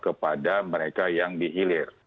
kepada mereka yang dihilir